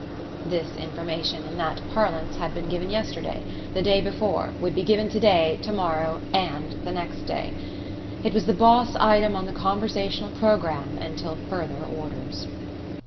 This information in that parlance had been given yesterday, the day before, would be given today, tomorrow, and the next day. It was the boss item on the conversational programme until further orders.